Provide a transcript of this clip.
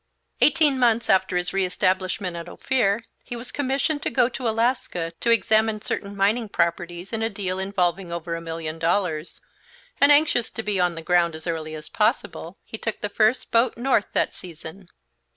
Eighteen months after his re establishment at Ophir he was commissioned to go to Alaska to examine certain mining properties in a deal involving over a million dollars, and, anxious to be on the ground as early as possible, he took the first boat north that season.